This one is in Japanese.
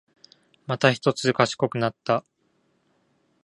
またひとつ賢くなった